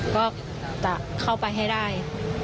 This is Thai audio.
ก็จะเข้าไปให้ได้